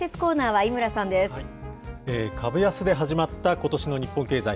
株安で始まったことしの日本経済。